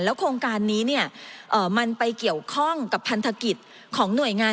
โครงการนี้มันไปเกี่ยวข้องกับพันธกิจของหน่วยงาน